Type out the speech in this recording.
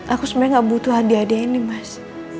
aku sebenarnya gak butuh hadiah hadiah ini mas